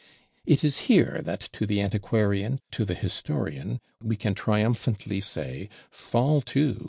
It is here that to the Antiquarian, to the Historian, we can triumphantly say: Fall to!